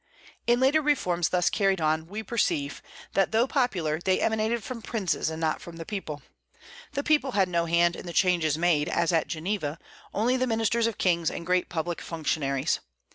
In the reforms thus far carried on we perceive that, though popular, they emanated from princes and not from the people. The people had no hand in the changes made, as at Geneva, only the ministers of kings and great public functionaries.